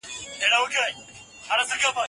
زه پرون سبزیجات جمع کوم!.